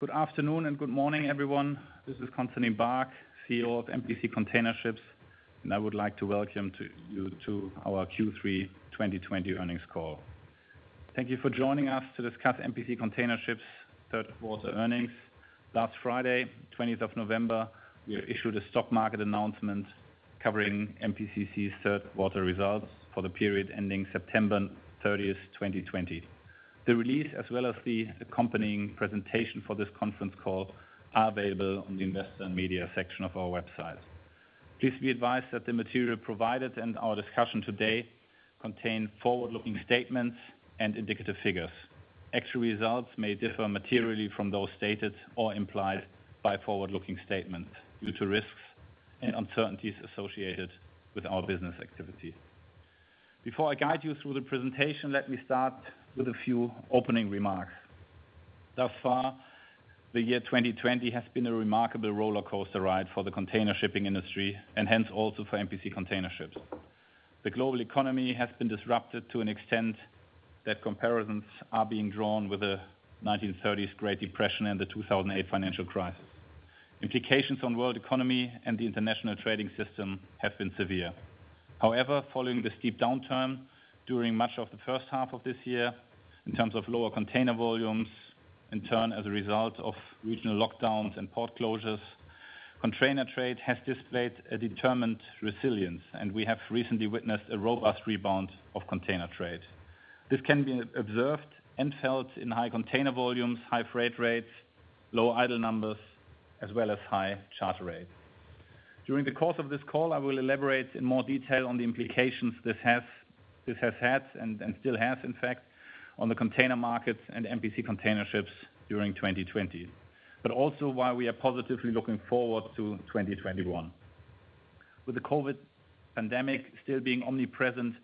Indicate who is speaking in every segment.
Speaker 1: Good afternoon and good morning, everyone. This is Constantin Baack, CEO of MPC Container Ships, and I would like to welcome you to our Q3 2020 earnings call. Thank you for joining us to discuss MPC Container Ships' Q3 earnings. Last Friday, November 20th, we issued a stock market announcement covering MPCC's Q3 results for the period ending September 30th, 2020. The release, as well as the accompanying presentation for this conference call, are available on the investor and media section of our website. Please be advised that the material provided and our discussion today contain forward-looking statements and indicative figures. Actual results may differ materially from those stated or implied by forward-looking statements due to risks and uncertainties associated with our business activity. Before I guide you through the presentation, let me start with a few opening remarks. Thus far, the year 2020 has been a remarkable rollercoaster ride for the container shipping industry, and hence also for MPC Container Ships. The global economy has been disrupted to an extent that comparisons are being drawn with the 1930s Great Depression and the 2008 financial crisis. Implications on world economy and the international trading system have been severe. However, following the steep downturn during much of the first half of this year, in terms of lower container volumes, in turn, as a result of regional lockdowns and port closures, container trade has displayed a determined resilience, and we have recently witnessed a robust rebound of container trade. This can be observed and felt in high container volumes, high freight rates, low idle numbers, as well as high charter rates. During the course of this call, I will elaborate in more detail on the implications this has had, and still has, in fact, on the container markets and MPC Container Ships during 2020, but also why we are positively looking forward to 2021. With the COVID pandemic still being omnipresent,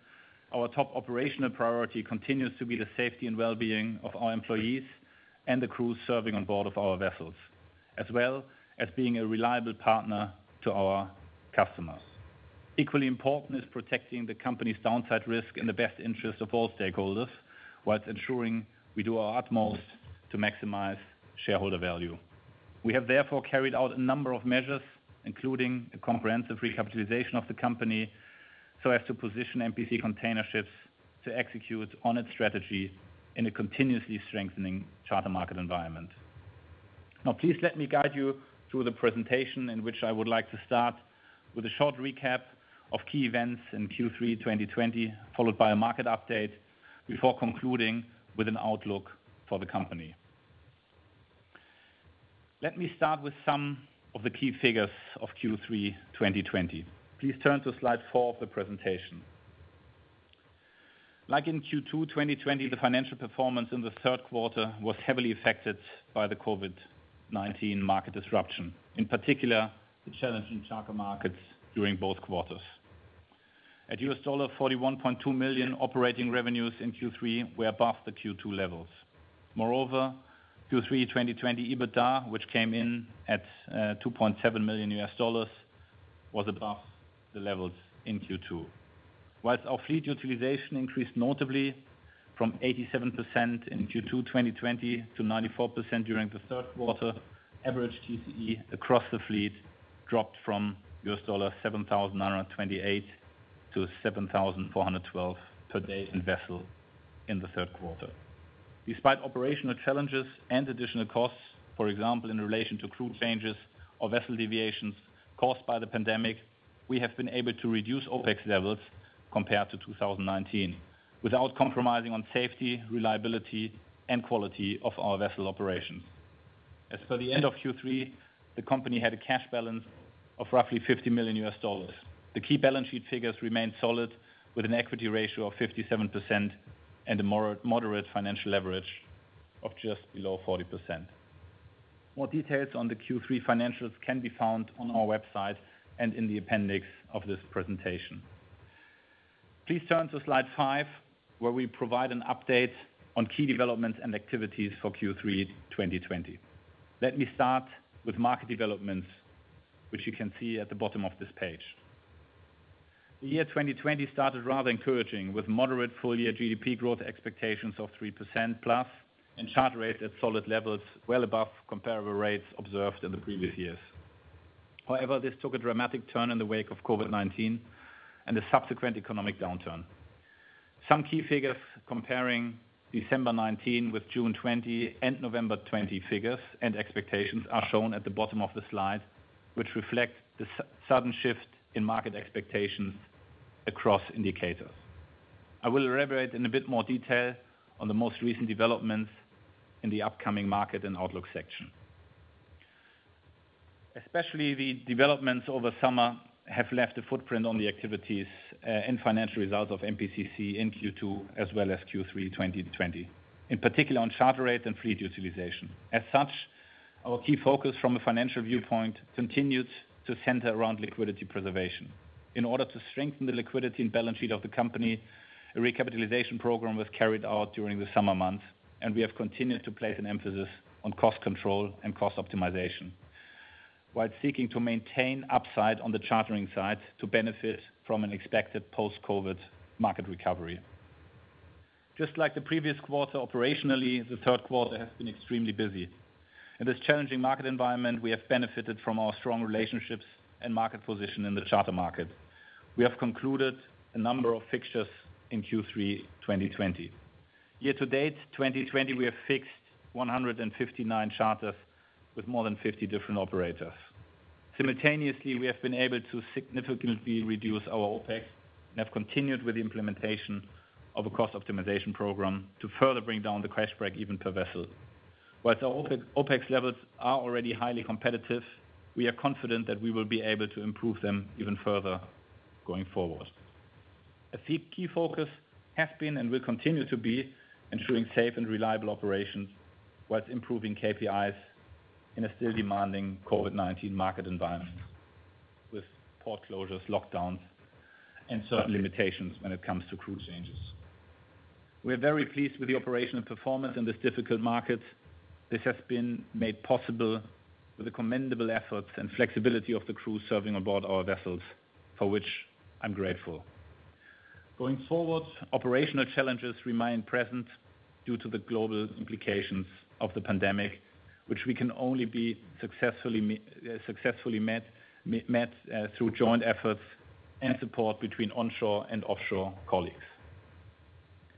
Speaker 1: our top operational priority continues to be the safety and wellbeing of our employees and the crew serving on board of our vessels, as well as being a reliable partner to our customers. Equally important is protecting the company's downside risk in the best interest of all stakeholders, while ensuring we do our utmost to maximize shareholder value. We have therefore carried out a number of measures, including a comprehensive recapitalization of the company, so as to position MPC Container Ships to execute on its strategy in a continuously strengthening charter market environment. Now, please let me guide you through the presentation, in which I would like to start with a short recap of key events in Q3 2020, followed by a market update, before concluding with an outlook for the company. Let me start with some of the key figures of Q3 2020. Please turn to slide four of the presentation. Like in Q2 2020, the financial performance in the third quarter was heavily affected by the COVID-19 market disruption. In particular, the challenge in charter markets during both quarters. At $41.2 million, operating revenues in Q3 were above the Q2 levels. Moreover, Q3 2020 EBITDA, which came in at $2.7 million, was above the levels in Q2. Whilst our fleet utilization increased notably from 87% in Q2 2020 to 94% during the third quarter, average TCE across the fleet dropped from $7,928 to $7,412 per day in vessel in the third quarter. Despite operational challenges and additional costs, for example, in relation to crew changes or vessel deviations caused by the pandemic, we have been able to reduce OPEX levels compared to 2019 without compromising on safety, reliability, and quality of our vessel operations. As for the end of Q3, the company had a cash balance of roughly $50 million. The key balance sheet figures remained solid with an equity ratio of 57% and a moderate financial leverage of just below 40%. More details on the Q3 financials can be found on our website and in the appendix of this presentation. Please turn to slide five, where we provide an update on key developments and activities for Q3 2020. Let me start with market developments, which you can see at the bottom of this page. The year 2020 started rather encouraging with moderate full-year GDP growth expectations of three percent plus and charter rates at solid levels well above comparable rates observed in the previous years. However, this took a dramatic turn in the wake of COVID-19 and the subsequent economic downturn. Some key figures comparing December 2019 with June 2020 and November 2020 figures and expectations are shown at the bottom of the slide, which reflect the sudden shift in market expectations across indicators. I will elaborate in a bit more detail on the most recent developments in the upcoming market and outlook section. Especially, the developments over summer have left a footprint on the activities, and financial results of MPCC in Q2 as well as Q3 2020, in particular on charter rates and fleet utilization. As such, our key focus from a financial viewpoint continued to center around liquidity preservation. In order to strengthen the liquidity and balance sheet of the company, a recapitalization program was carried out during the summer months, and we have continued to place an emphasis on cost control and cost optimization, while seeking to maintain upside on the chartering side to benefit from an expected post-COVID market recovery. Just like the previous quarter operationally, the Q3 has been extremely busy. In this challenging market environment, we have benefited from our strong relationships and market position in the charter market. We have concluded a number of fixtures in Q3 2020. Year to date 2020, we have fixed 159 charters with more than 50 different operators. Simultaneously, we have been able to significantly reduce our OPEX and have continued with the implementation of a cost optimization program to further bring down the cash break-even per vessel. Whilst our OPEX levels are already highly competitive, we are confident that we will be able to improve them even further going forward. A key focus has been and will continue to be ensuring safe and reliable operations whilst improving KPIs in a still demanding COVID-19 market environment with port closures, lockdowns, and certain limitations when it comes to crew changes. We are very pleased with the operational performance in this difficult market. This has been made possible with the commendable efforts and flexibility of the crew serving aboard our vessels, for which I'm grateful. Going forward, operational challenges remain present due to the global implications of the pandemic, which we can only successfully meet, through joint efforts and support between onshore and offshore colleagues.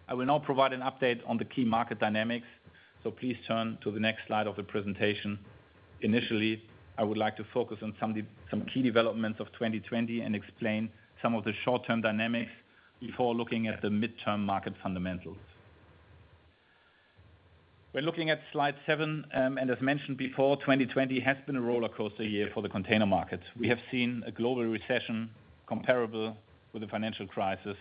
Speaker 1: I will now provide an update on the key market dynamics. Please turn to the next slide of the presentation. Initially, I would like to focus on some key developments of 2020 and explain some of the short-term dynamics before looking at the mid-term market fundamentals. We're looking at slide seven, as mentioned before, 2020 has been a rollercoaster year for the container market. We have seen a global recession comparable with the financial crisis,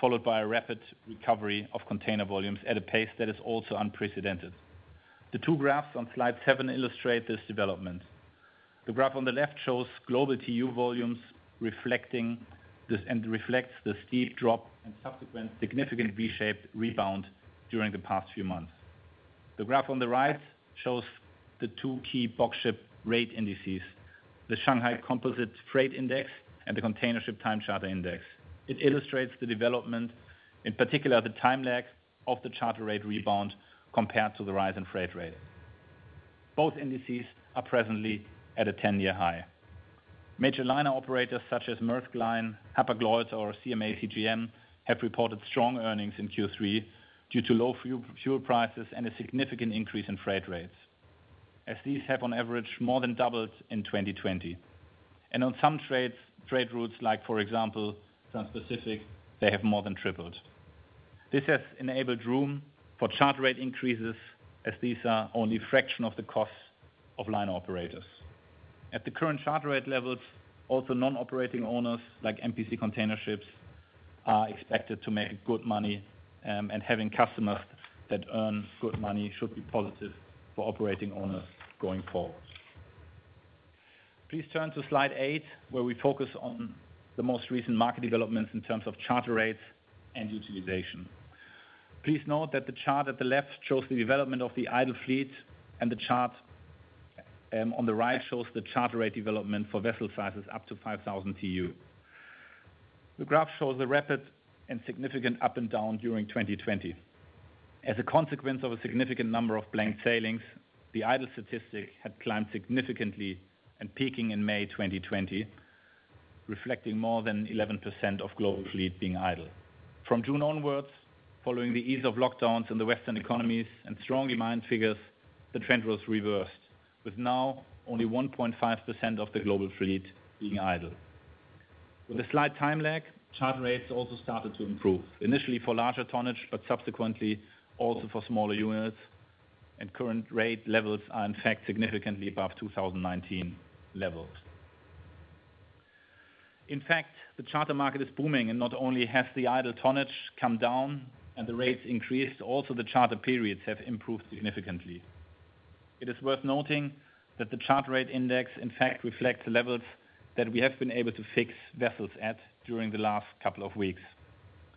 Speaker 1: followed by a rapid recovery of container volumes at a pace that is also unprecedented. The two graphs on slide seven illustrate this development. The graph on the left shows global TEU volumes, reflects the steep drop and subsequent significant V-shaped rebound during the past few months. The graph on the right shows the two key boxship rate indices, the Shanghai Containerized Freight Index and the Containership Time Charter Index. It illustrates the development, in particular, the time lag of the charter rate rebound compared to the rise in freight rate. Both indices are presently at a 10-year high. Major liner operators such as Maersk Line, Hapag-Lloyd, or CMA CGM have reported strong earnings in Q3 due to low fuel prices and a significant increase in freight rates, as these have on average more than doubled in 2020. On some trade routes, like for example, Transpacific, they have more than tripled. This has enabled room for charter rate increases, as these are only a fraction of the cost of liner operators. At the current charter rate levels, also non-operating owners like MPC Container Ships are expected to make good money, and having customers that earn good money should be positive for operating owners going forward. Please turn to slide eight, where we focus on the most recent market developments in terms of charter rates and utilization. Please note that the chart at the left shows the development of the idle fleet, and the chart on the right shows the charter rate development for vessel sizes up to 5,000 TEU. The graph shows a rapid and significant up and down during 2020. As a consequence of a significant number of blank sailings, the idle statistic had climbed significantly and peaking in May 2020, reflecting more than 11% of global fleet being idle. From June onwards, following the ease of lockdowns in the Western economies and strong demand figures, the trend was reversed, with now only 1.5% of the global fleet being idle. With a slight time lag, charter rates also started to improve, initially for larger tonnage, but subsequently also for smaller units, and current rate levels are in fact significantly above 2019 levels. In fact, the charter market is booming, and not only has the idle tonnage come down and the rates increased, also the charter periods have improved significantly. It is worth noting that the charter rate index in fact reflects the levels that we have been able to fix vessels at during the last couple of weeks.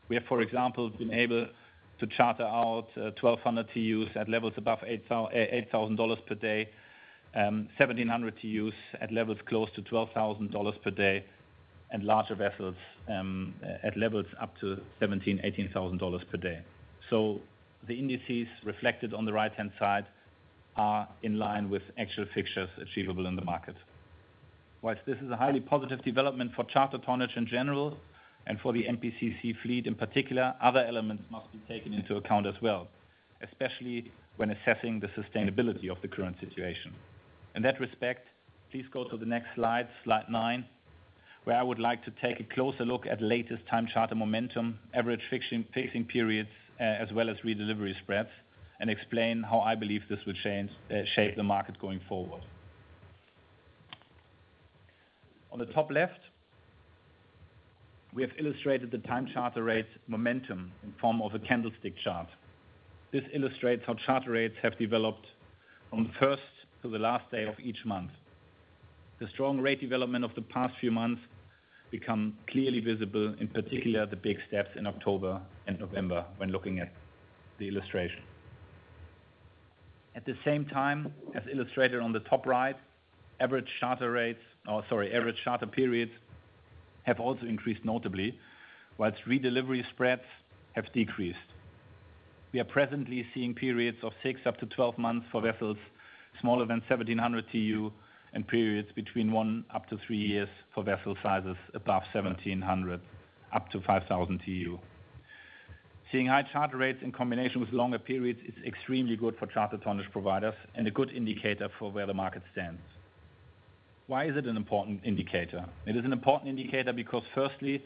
Speaker 1: We have, for example, been able to charter out 1,200 TEUs at levels above $8,000 per day, 1,700 TEUs at levels close to $12,000 per day, and larger vessels at levels up to $17,000, $18,000 per day. The indices reflected on the right-hand side are in line with actual fixtures achievable in the market. Whilst this is a highly positive development for charter tonnage in general and for the MPCC fleet in particular, other elements must be taken into account as well, especially when assessing the sustainability of the current situation. In that respect, please go to the next slide nine, where I would like to take a closer look at latest time charter momentum, average fixing periods, as well as redelivery spreads, and explain how I believe this will shape the market going forward. On the top left, we have illustrated the time charter rate momentum in form of a candlestick chart. This illustrates how charter rates have developed from the first to the last day of each month. The strong rate development of the past few months become clearly visible, in particular the big steps in October and November when looking at the illustration. At the same time, as illustrated on the top right, average charter periods have also increased notably, whilst re-delivery spreads have decreased. We are presently seeing periods of six up to 12 months for vessels smaller than 1,700 TEU, and periods between one up to three years for vessel sizes above 1,700 up - 5,000 TEU. Seeing high charter rates in combination with longer periods is extremely good for charter tonnage providers and a good indicator for where the market stands. Why is it an important indicator? It is an important indicator because firstly,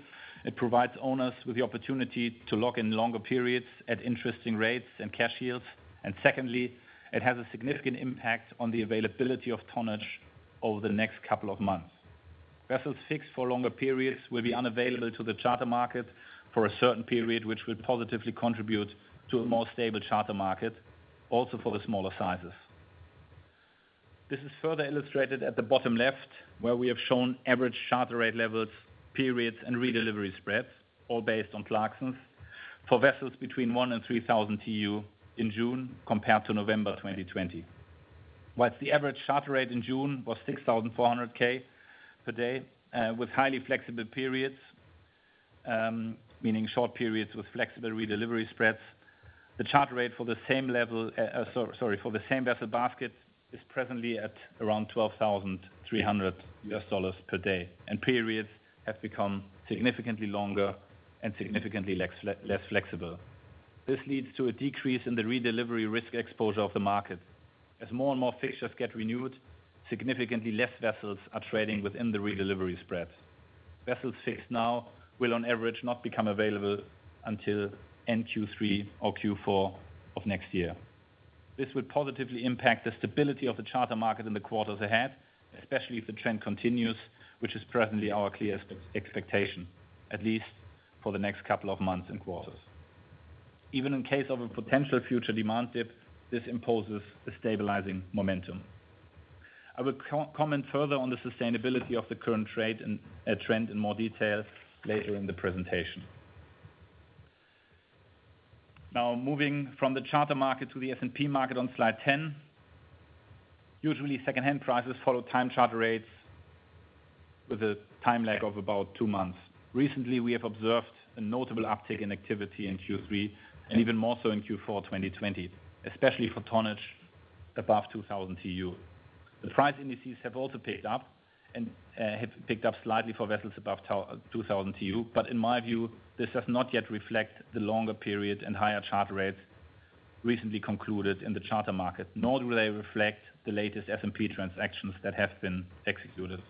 Speaker 1: it provides owners with the opportunity to lock in longer periods at interesting rates and cash yields. Secondly, it has a significant impact on the availability of tonnage over the next couple of months. Vessels fixed for longer periods will be unavailable to the charter market for a certain period, which will positively contribute to a more stable charter market, also for the smaller sizes. This is further illustrated at the bottom left, where we have shown average charter rate levels, periods, and re-delivery spreads, all based on Clarksons, for vessels between one and 3,000 TEU in June compared to November 2020. Whilst the average charter rate in June was $6,400 per day, with highly flexible periods, meaning short periods with flexible re-delivery spreads. The charter rate for the same vessel basket is presently at around $12,300 per day. Periods have become significantly longer and significantly less flexible. This leads to a decrease in the re-delivery risk exposure of the market. As more and more fixtures get renewed, significantly less vessels are trading within the re-delivery spread. Vessels fixed now will on average not become available until end Q3 or Q4 of next year. This will positively impact the stability of the charter market in the quarters ahead, especially if the trend continues, which is presently our clearest expectation, at least for the next couple of months and quarters. Even in case of a potential future demand dip, this imposes a stabilizing momentum. I will comment further on the sustainability of the current trend in more detail later in the presentation. Moving from the charter market to the S&P market on slide 10. Usually, secondhand prices follow time charter rates with a time lag of about two months. Recently, we have observed a notable uptick in activity in Q3, and even more so in Q4 2020, especially for tonnage above 2,000 TEU. In my view, this does not yet reflect the longer period and higher charter rates recently concluded in the charter market, nor do they reflect the latest S&P transactions that have been executed.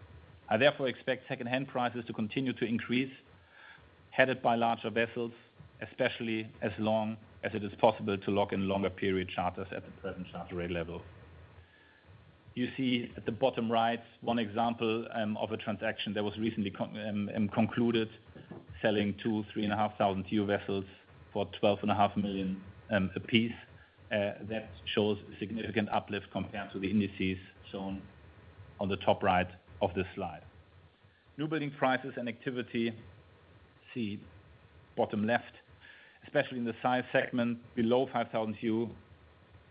Speaker 1: I, therefore, expect secondhand prices to continue to increase, headed by larger vessels, especially as long as it is possible to lock in longer period charters at the present charter rate level. You see at the bottom right one example of a transaction that was recently concluded selling two 3,500 TEU vessels for $12.5 million a piece. That shows a significant uplift compared to the indices shown on the top right of this slide. New building prices and activity, see bottom left, especially in the size segment below 5,000 TEU,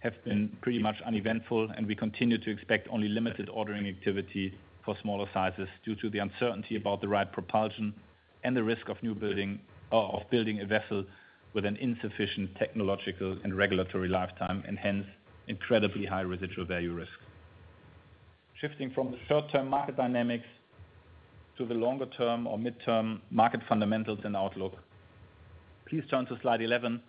Speaker 1: have been pretty much uneventful, and we continue to expect only limited ordering activity for smaller sizes due to the uncertainty about the right propulsion and the risk of building a vessel with an insufficient technological and regulatory lifetime, and hence, incredibly high residual value risk. Shifting from the short-term market dynamics to the longer-term or midterm market fundamentals and outlook. Please turn to slide 11.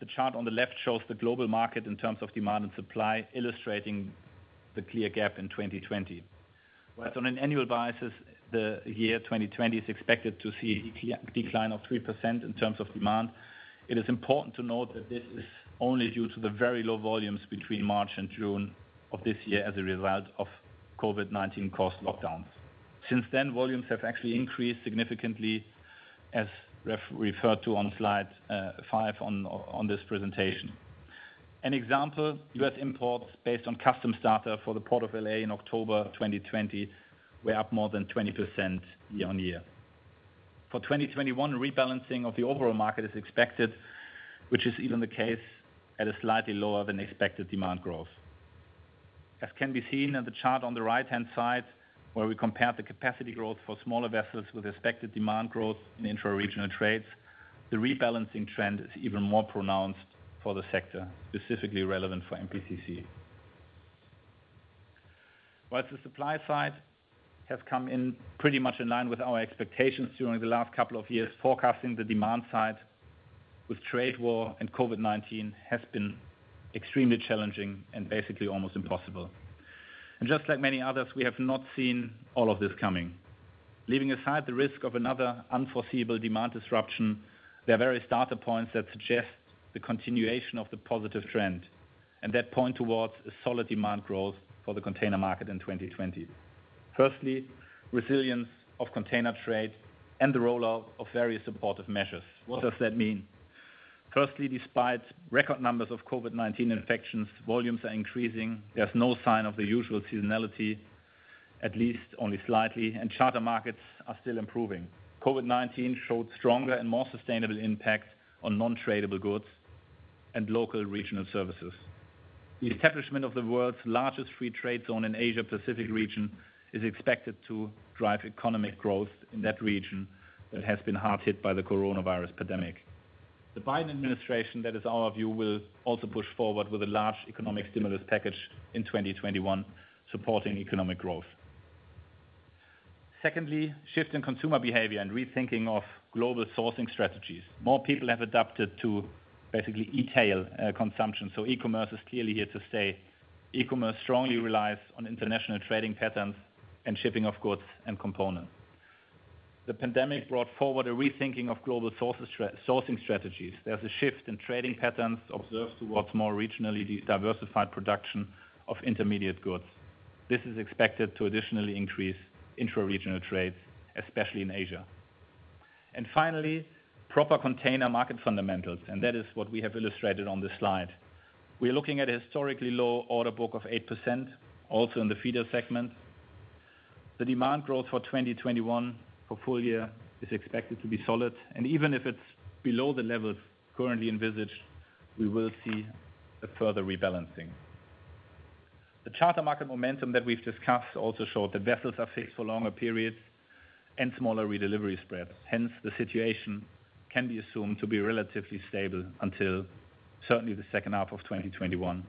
Speaker 1: The chart on the left shows the global market in terms of demand and supply, illustrating the clear gap in 2020. Based on an annual basis, the year 2020 is expected to see a decline of three percent in terms of demand. It is important to note that this is only due to the very low volumes between March and June of this year as a result of COVID-19-caused lockdowns. Since then, volumes have actually increased significantly, as referred to on slide five on this presentation. An example, U.S. imports based on customs data for the Port of L.A. in October 2020, were up more than 20% year-on-year. For 2021, rebalancing of the overall market is expected, which is even the case at a slightly lower than expected demand growth. As can be seen in the chart on the right-hand side, where we compare the capacity growth for smaller vessels with expected demand growth in intra-regional trades, the rebalancing trend is even more pronounced for the sector, specifically relevant for MPCC. The supply side has come in pretty much in line with our expectations during the last couple of years, forecasting the demand side with trade war and COVID-19 has been extremely challenging and basically almost impossible. Just like many others, we have not seen all of this coming. Leaving aside the risk of another unforeseeable demand disruption, there are various data points that suggest the continuation of the positive trend, and that point towards a solid demand growth for the container market in 2020. Firstly, resilience of container trade and the rollout of various supportive measures. What does that mean? Firstly, despite record numbers of COVID-19 infections, volumes are increasing. There's no sign of the usual seasonality, at least only slightly, charter markets are still improving. COVID-19 showed stronger and more sustainable impact on non-tradable goods and local regional services. The establishment of the world's largest free trade zone in Asia Pacific region is expected to drive economic growth in that region that has been hard hit by the coronavirus pandemic. The Biden administration, that is our view, will also push forward with a large economic stimulus package in 2021 supporting economic growth. Secondly, shift in consumer behavior and rethinking of global sourcing strategies. More people have adapted to basically e-tail consumption. E-commerce is clearly here to stay. E-commerce strongly relies on international trading patterns and shipping of goods and components. The pandemic brought forward a rethinking of global sourcing strategies. There is a shift in trading patterns observed towards more regionally diversified production of intermediate goods. This is expected to additionally increase intra-regional trades, especially in Asia. Finally, proper container market fundamentals, and that is what we have illustrated on this slide. We are looking at a historically low order book of eight percent, also in the feeder segment. The demand growth for 2021 for full year is expected to be solid, and even if it's below the levels currently envisaged, we will see a further rebalancing. The charter market momentum that we've discussed also showed that vessels are fixed for longer periods and smaller redelivery spreads. Hence, the situation can be assumed to be relatively stable until certainly the second half of 2021.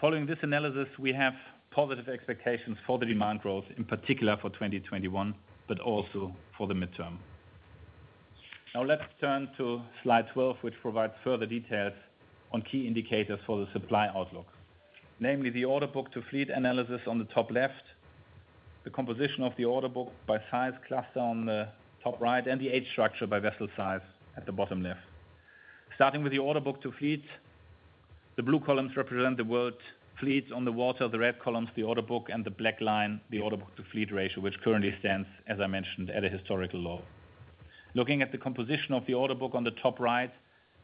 Speaker 1: Following this analysis, we have positive expectations for the demand growth, in particular for 2021, but also for the midterm. Now let's turn to slide 12, which provides further details on key indicators for the supply outlook. Namely, the order book to fleet analysis on the top left, the composition of the order book by size cluster on the top right, and the age structure by vessel size at the bottom left. Starting with the order book to fleet, the blue columns represent the world fleet on the water, the red columns the order book, and the black line the order book to fleet ratio, which currently stands, as I mentioned, at a historical low. Looking at the composition of the order book on the top right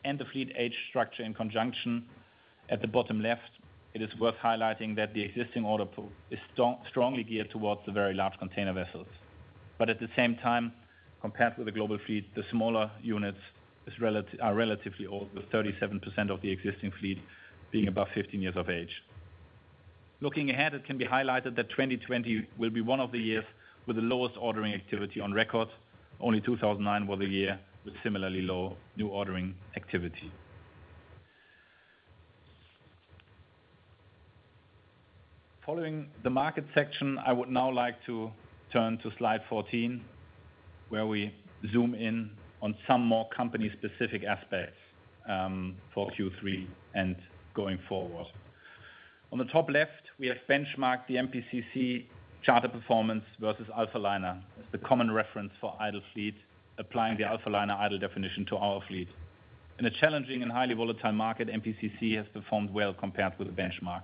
Speaker 1: and the fleet age structure in conjunction at the bottom left, it is worth highlighting that the existing order book is strongly geared towards the very large container vessels. At the same time, compared with the global fleet, the smaller units are relatively old, with 37% of the existing fleet being above 15 years of age. Looking ahead, it can be highlighted that 2020 will be one of the years with the lowest ordering activity on record. Only 2009 was a year with similarly low new ordering activity. Following the market section, I would now like to turn to slide 14, where we zoom in on some more company-specific aspects for Q3 and going forward. On the top left, we have benchmarked the MPCC charter performance versus Alphaliner as the common reference for idle fleet, applying the Alphaliner idle definition to our fleet. In a challenging and highly volatile market, MPCC has performed well compared with the benchmark.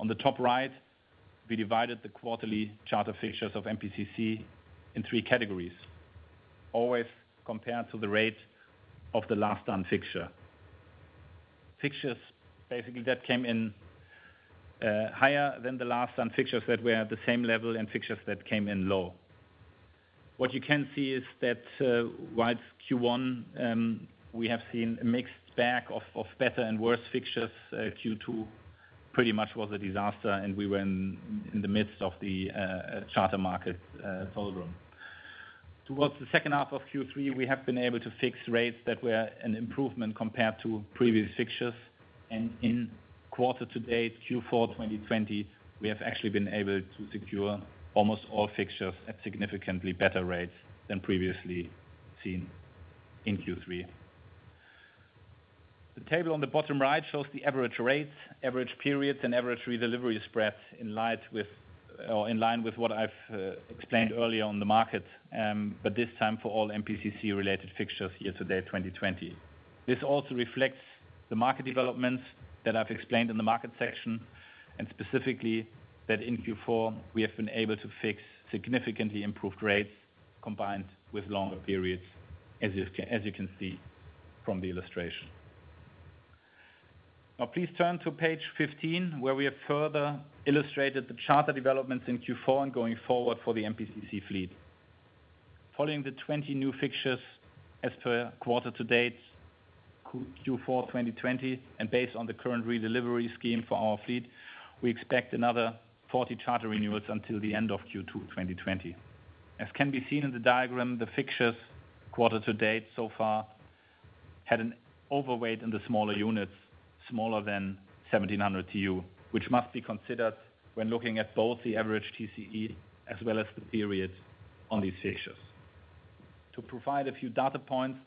Speaker 1: On the top right, we divided the quarterly charter fixtures of MPCC in three categories, always compared to the rate of the last done fixture. Fixtures basically that came in higher than the last done fixtures that were at the same level and fixtures that came in low. What you can see is that whilst Q1 we have seen a mixed bag of better and worse fixtures, Q2 pretty much was a disaster and we were in the midst of the charter market doldrum. Towards the second half of Q3, we have been able to fix rates that were an improvement compared to previous fixtures. In quarter to date, Q4 2020, we have actually been able to secure almost all fixtures at significantly better rates than previously seen in Q3. The table on the bottom right shows the average rates, average periods and average redelivery spreads in line with what I've explained earlier on the market, but this time for all MPCC related fixtures year to date 2020. This also reflects the market developments that I've explained in the market section, and specifically that in Q4 we have been able to fix significantly improved rates combined with longer periods, as you can see from the illustration. Now please turn to page 15, where we have further illustrated the charter developments in Q4 and going forward for the MPCC fleet. Following the 20 new fixtures as per quarter to date, Q4 2020, and based on the current redelivery scheme for our fleet, we expect another 40 charter renewals until the end of Q2 2020. As can be seen in the diagram, the fixtures quarter to date so far had an overweight in the smaller units, smaller than 1,700 TEU, which must be considered when looking at both the average TCE as well as the periods on these fixtures. To provide a few data points,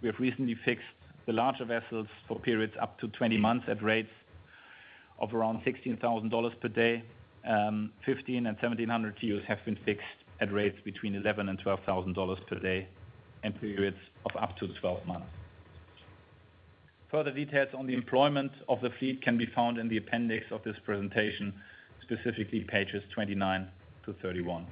Speaker 1: we have recently fixed the larger vessels for periods up to 20 months at rates of around $16,000 per day. 15 and 1,700 TEU have been fixed at rates between $11,000-$12,000 per day and periods of up to 12 months. Further details on the employment of the fleet can be found in the appendix of this presentation, specifically pages 29 - 31.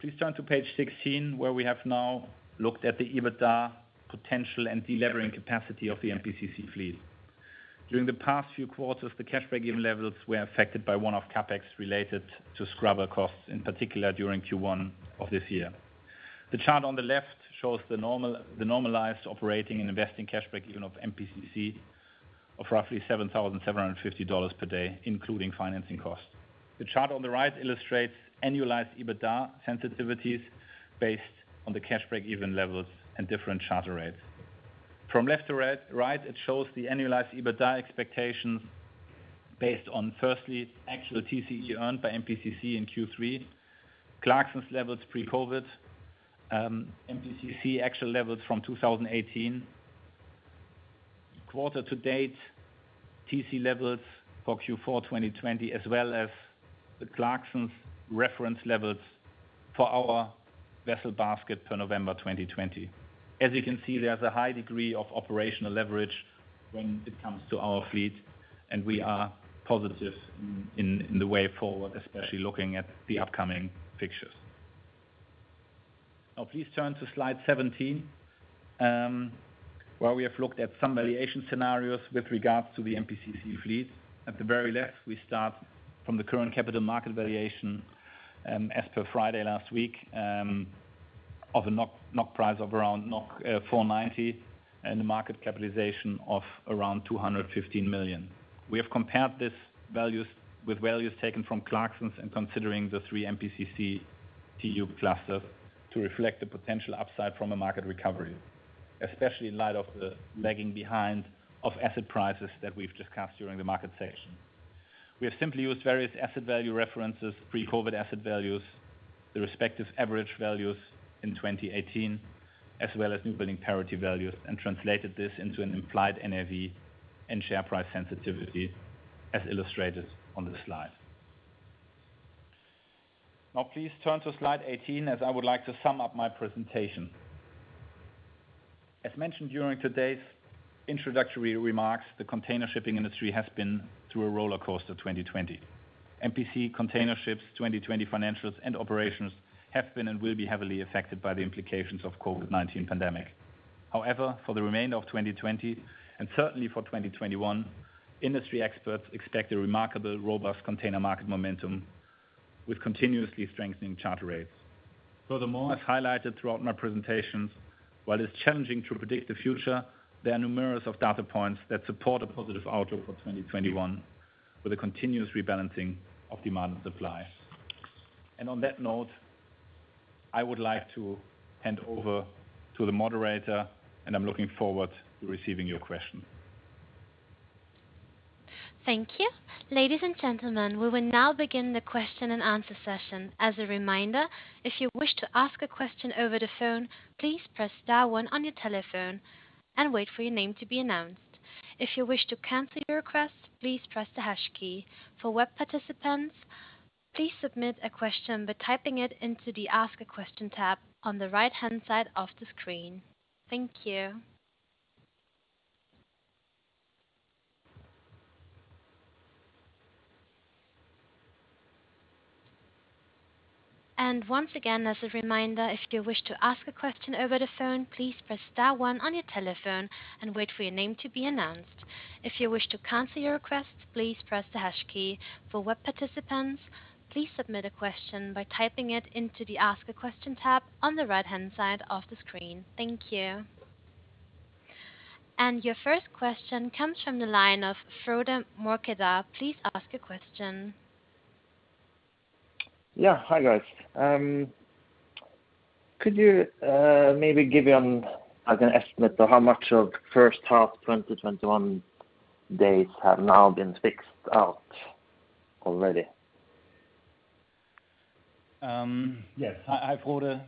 Speaker 1: Please turn to page 16 where we have now looked at the EBITDA potential and delevering capacity of the MPCC fleet. During the past few quarters, the cash break-even levels were affected by one-off CapEx related to scrubber costs, in particular, during Q1 of this year. The chart on the left shows the normalized operating and investing cash break-even of MPCC of roughly $7,750 per day, including financing costs. The chart on the right illustrates annualized EBITDA sensitivities based on the cash break-even levels and different charter rates. From left to right, it shows the annualized EBITDA expectations based on, firstly, actual TCE earned by MPCC in Q3, Clarksons levels pre-COVID, MPCC actual levels from 2018, quarter to date TCE levels for Q4 2020, as well as the Clarksons reference levels for our vessel basket for November 2020. You can see, there's a high degree of operational leverage when it comes to our fleet, and we are positive in the way forward, especially looking at the upcoming fixtures. Please turn to slide 17, where we have looked at some valuation scenarios with regards to the MPCC fleet. At the very left, we start from the current capital market valuation, as per Friday last week, of a NOK price of around 490, and a market capitalization of around 215 million. We have compared these values with values taken from Clarksons and considering the three MPCC TEU clusters to reflect the potential upside from a market recovery, especially in light of the lagging behind of asset prices that we've discussed during the market section. We have simply used various asset value references, pre-COVID-19 asset values, the respective average values in 2018, as well as new building parity values, and translated this into an implied NAV and share price sensitivity, as illustrated on the slide. Please turn to slide 18 as I would like to sum up my presentation. As mentioned during today's introductory remarks, the container shipping industry has been through a rollercoaster 2020. MPC Container Ships 2020 financials and operations have been and will be heavily affected by the implications of COVID-19 pandemic. However, for the remainder of 2020, and certainly for 2021, industry experts expect a remarkable, robust container market momentum with continuously strengthening charter rates. Furthermore, as highlighted throughout my presentations, while it's challenging to predict the future, there are numerous data points that support a positive outlook for 2021 with a continuous rebalancing of demand and supply. On that note, I would like to hand over to the moderator, and I'm looking forward to receiving your question.
Speaker 2: Thank you. Ladies and gentlemen, we will now begin the question and answer session. As a reminder, if you wish to ask a question over the phone, please press star one on your telephone and wait for your name to be announced. If you wish to cancel your request, please press the hash key. For web participants, please submit a question by typing it into the Ask a Question tab on the right-hand side of the screen. Thank you. Once again, as a reminder, if you wish to ask a question over the phone, please press star one on your telephone and wait for your name to be announced. If you wish to cancel your request, please press the hash key. For web participants, please submit a question by typing it into the Ask a Question tab on the right-hand side of the screen. Thank you. Your first question comes from the line of Frode Mørkedal. Please ask your question.
Speaker 3: Yeah. Hi, guys. Could you maybe give an estimate of how much of first half 2021 days have now been fixed out already?
Speaker 1: Yes. Hi, Frode.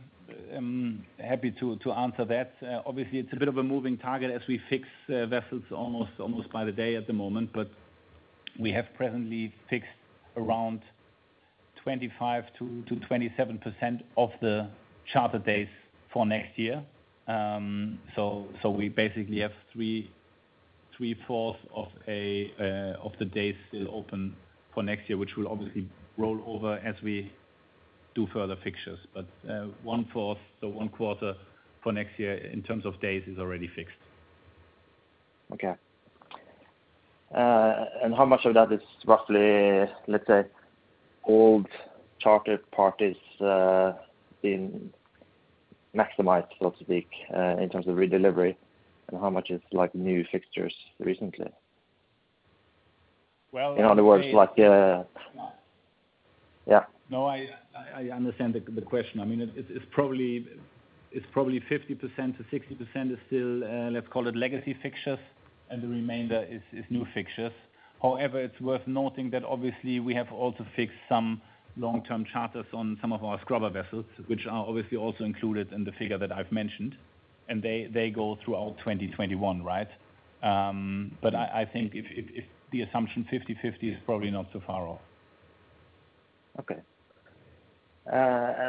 Speaker 1: I'm happy to answer that. It's a bit of a moving target as we fix vessels almost by the day at the moment, but we have presently fixed around 25%-27% of the charter days for next year. We basically have three-fourths of the days still open for next year, which will obviously roll over as we do further fixtures. One-fourth, so Q1, for next year in terms of days is already fixed.
Speaker 3: Okay. How much of that is roughly, let's say, old charter parties being maximized, so to speak, in terms of redelivery, and how much is new fixtures recently?
Speaker 1: Well-
Speaker 3: In other words, like Yeah.
Speaker 1: No, I understand the question. It's probably 50% - 60% is still, let's call it, legacy fixtures, and the remainder is new fixtures. It's worth noting that obviously we have also fixed some long-term charters on some of our scrubber vessels, which are obviously also included in the figure that I've mentioned, and they go throughout 2021, right? I think the assumption 50-50 is probably not so far off.
Speaker 3: Okay.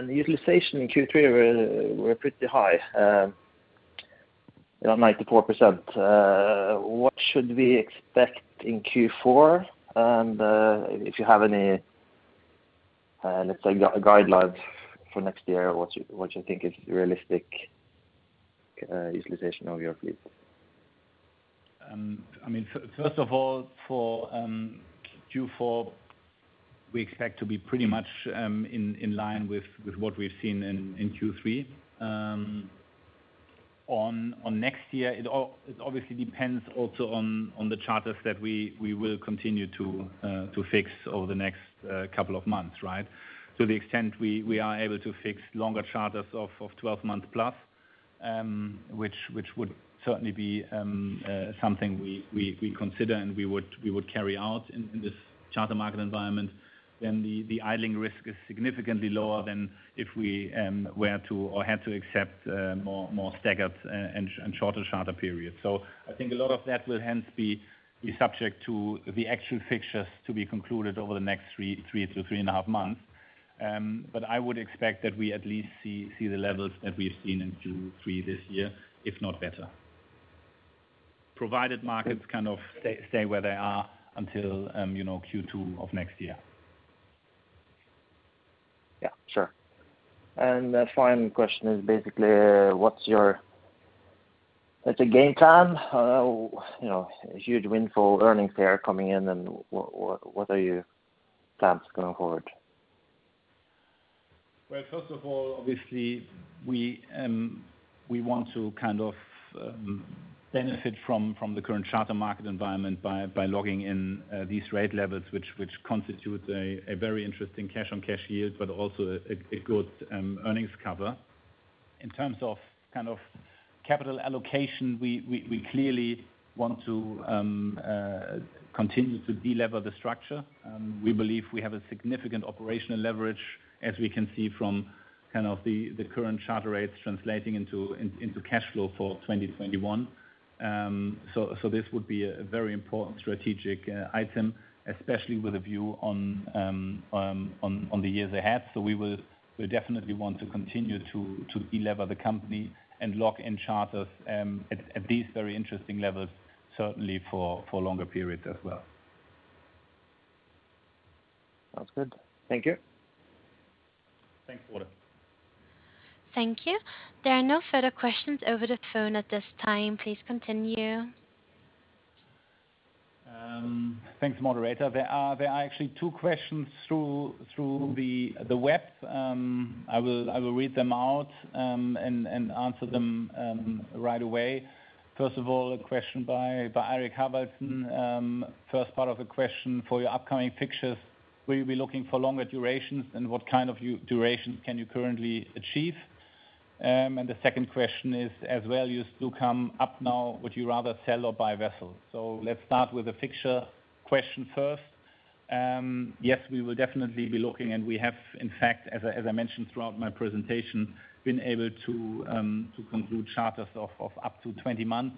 Speaker 3: utilization in Q3 were pretty high. Yeah, 94%. What should we expect in Q4? If you have any, let's say, guidelines for next year, what you think is realistic utilization of your fleet?
Speaker 1: First of all, for Q4, we expect to be pretty much in line with what we've seen in Q3. On next year, it obviously depends also on the charters that we will continue to fix over the next couple of months, right? To the extent we are able to fix longer charters of 12 months plus, which would certainly be something we consider and we would carry out in this charter market environment, then the idling risk is significantly lower than if we were to or had to accept more staggered and shorter charter periods. I think a lot of that will hence be subject to the actual fixtures to be concluded over the next three to three and a half months. I would expect that we at least see the levels that we've seen in Q3 this year, if not better. Provided markets kind of stay where they are until Q2 of next year.
Speaker 3: Yeah, sure. The final question is basically, what's your, let's say, game plan? A huge windfall earnings here coming in. What are your plans going forward?
Speaker 1: Well, first of all, obviously we want to kind of benefit from the current charter market environment by logging in these rate levels, which constitute a very interesting cash on cash yield, but also a good earnings cover. In terms of capital allocation, we clearly want to continue to delever the structure. We believe we have a significant operational leverage, as we can see from the current charter rates translating into cash flow for 2021. This would be a very important strategic item, especially with a view on the years ahead. We will definitely want to continue to delever the company and lock in charters at these very interesting levels, certainly for longer periods as well.
Speaker 3: Sounds good. Thank you.
Speaker 1: Thanks, Ole.
Speaker 2: Thank you. There are no further questions over the phone at this time. Please continue.
Speaker 1: Thanks, moderator. There are actually two questions through the web. I will read them out and answer them right away. First of all, a question by Erik Haavaldsen. First part of the question, for your upcoming fixtures, will you be looking for longer durations and what kind of durations can you currently achieve? The second question is, as values do come up now, would you rather sell or buy vessels? Let's start with the fixture question first. Yes, we will definitely be looking, and we have, in fact, as I mentioned throughout my presentation, been able to conclude charters of up to 20 months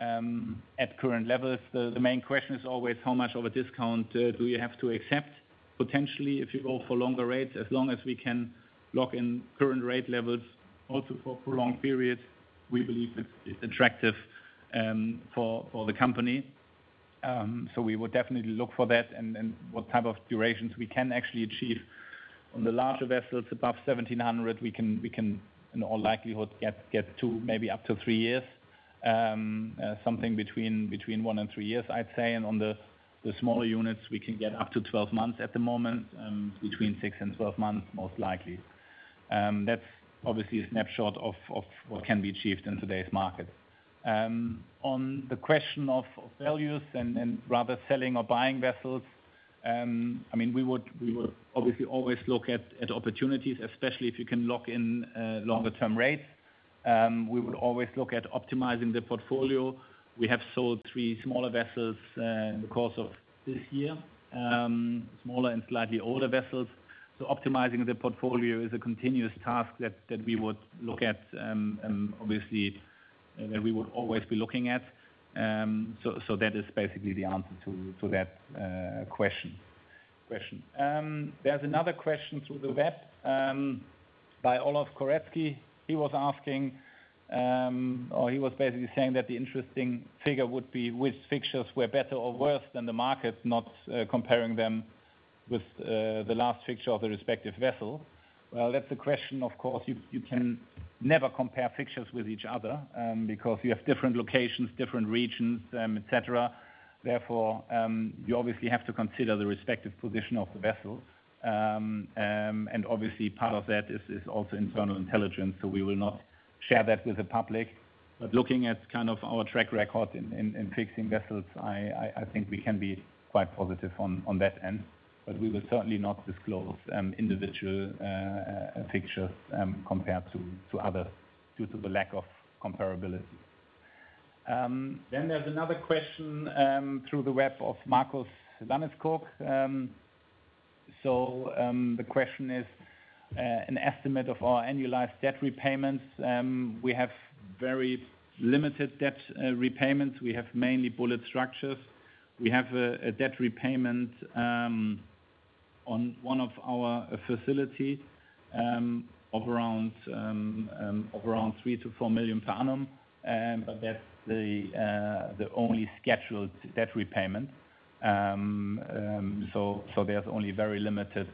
Speaker 1: at current levels. The main question is always how much of a discount do you have to accept potentially if you go for longer rates, as long as we can lock in current rate levels also for prolonged periods, we believe it's attractive for the company. We would definitely look for that and what type of durations we can actually achieve. On the larger vessels above 1,700, we can, in all likelihood, get two, maybe up to three years. Something between one and three years, I'd say. On the smaller units, we can get up to 12 months at the moment, between six and 12 months, most likely. That's obviously a snapshot of what can be achieved in today's market. On the question of values and rather selling or buying vessels, we would obviously always look at opportunities, especially if you can lock in longer term rates. We would always look at optimizing the portfolio. We have sold three smaller vessels in the course of this year, smaller and slightly older vessels. Optimizing the portfolio is a continuous task that we would look at, obviously, that we would always be looking at. That is basically the answer to that question. There is another question through the web by Olav Koretsky. He was asking, or he was basically saying that the interesting figure would be which fixtures were better or worse than the market, not comparing them with the last fixture of the respective vessel. Well, that's a question, of course, you can never compare fixtures with each other, because you have different locations, different regions, et cetera. Therefore, you obviously have to consider the respective position of the vessels. Obviously part of that is also internal intelligence, so we will not share that with the public. Looking at our track record in fixing vessels, I think we can be quite positive on that end. We will certainly not disclose individual fixtures compared to others due to the lack of comparability. There's another question through the web of Marcos Lanneskorb. The question is an estimate of our annualized debt repayments. We have very limited debt repayments. We have mainly bullet structures. We have a debt repayment on one of our facilities of around $3 million-$4 million per annum. That's the only scheduled debt repayment. There's only very limited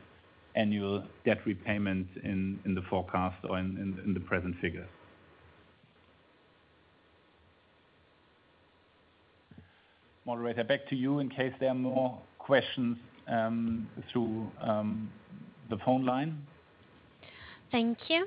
Speaker 1: annual debt repayment in the forecast or in the present figures. Moderator, back to you in case there are more questions through the phone line.
Speaker 2: Thank you.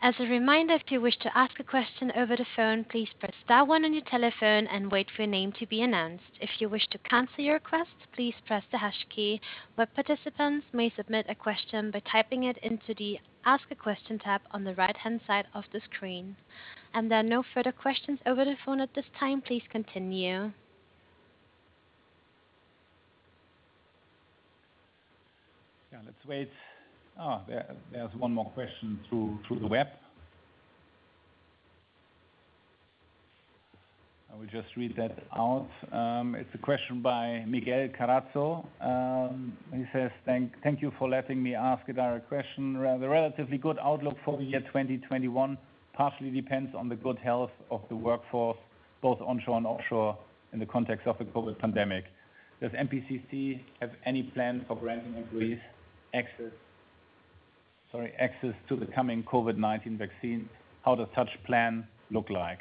Speaker 2: As a reminder, if you wish to ask a question over the phone, please press star one on your telephone and wait for your name to be announced. If you wish to cancel your request, please press the hash key. Web participants may submit a question by typing it into the Ask a Question tab on the right-hand side of the screen. There are no further questions over the phone at this time. Please continue.
Speaker 1: Let's wait. There's one more question through the web. I will just read that out. It's a question by Miguel Carazo. He says, "Thank you for letting me ask a direct question. The relatively good outlook for the year 2021 partially depends on the good health of the workforce, both onshore and offshore, in the context of the COVID-19 pandemic. Does MPCC have any plans for granting employees access to the coming COVID-19 vaccines? How does such plan look like?"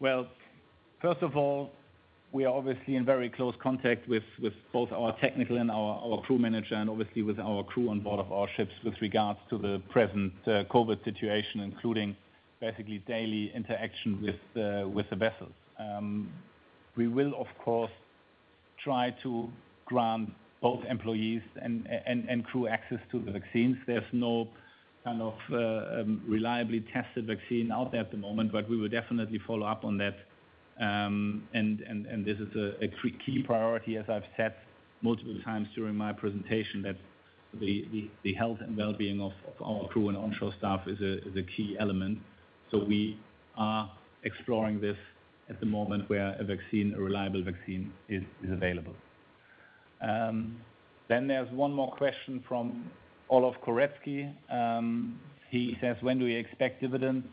Speaker 1: Well, first of all, we are obviously in very close contact with both our technical and our crew manager, and obviously with our crew on board of our ships with regards to the present COVID-19 situation, including basically daily interaction with the vessels. We will, of course, try to grant both employees and crew access to the vaccines. There's no kind of reliably tested vaccine out there at the moment. We will definitely follow up on that. This is a key priority, as I've said multiple times during my presentation, that the health and wellbeing of our crew and onshore staff is a key element. We are exploring this at the moment where a reliable vaccine is available. There's one more question from Olav Koretsky. He says, "When do you expect dividends?"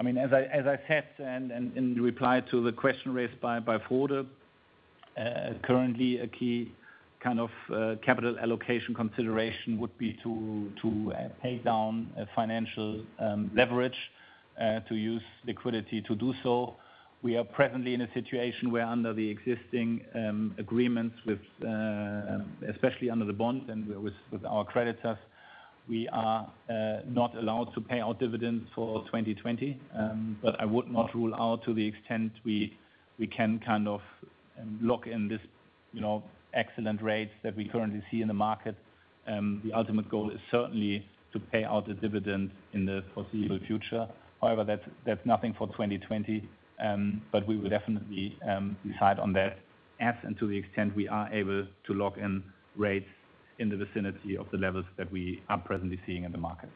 Speaker 1: As I said, and in reply to the question raised by Frode, currently a key capital allocation consideration would be to pay down financial leverage, to use liquidity to do so. We are presently in a situation where under the existing agreements, especially under the bond and with our creditors, we are not allowed to pay out dividends for 2020. I would not rule out to the extent we can lock in these excellent rates that we currently see in the market. The ultimate goal is certainly to pay out a dividend in the foreseeable future. That's nothing for 2020. We will definitely decide on that as and to the extent we are able to lock in rates in the vicinity of the levels that we are presently seeing in the market.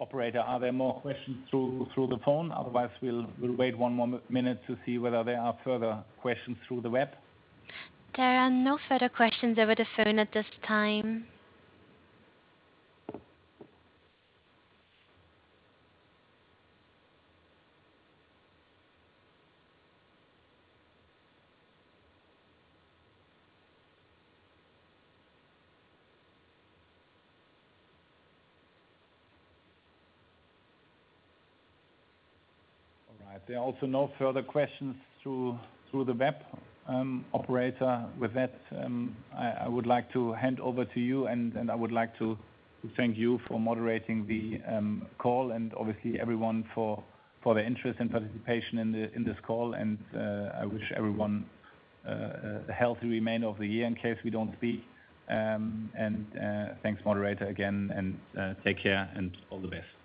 Speaker 1: Operator, are there more questions through the phone? We'll wait one more minute to see whether there are further questions through the web.
Speaker 2: There are no further questions over the phone at this time.
Speaker 1: All right. There are also no further questions through the web. Operator, with that, I would like to hand over to you, and I would like to thank you for moderating the call and obviously everyone for their interest and participation in this call. I wish everyone a healthy remainder of the year in case we don't speak. Thanks, operator, again, and take care and all the best.